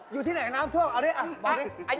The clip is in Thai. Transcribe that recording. อยู่ที่ไหนน้ำท่วมเอาดิมาดิ